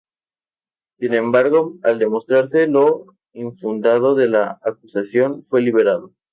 Sin embargo, al demostrarse lo infundado de la acusación, fue liberado.